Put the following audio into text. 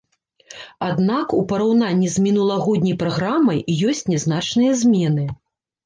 Аднак, у параўнанні з мінулагодняй праграмай, ёсць нязначныя змены.